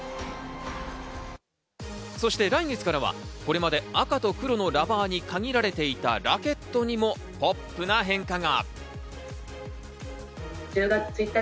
そして来月からは、これまで赤と黒のラバーに限られていたラケットにもポップな変化が。